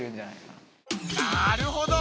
なるほど。